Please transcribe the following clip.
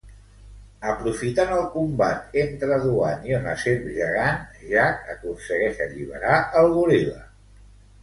Aprofitant el combat entre Duane i una serp gegant, Jack aconsegueix alliberar el goril·la.